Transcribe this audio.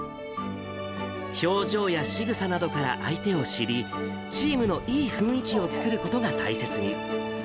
表情やしぐさなどから相手を知り、チームのいい雰囲気を作ることが大切に。